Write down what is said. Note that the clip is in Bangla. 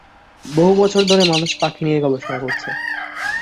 বহু বছর ধরে মানুষ পাখি নিয়ে গবেষণা করছে।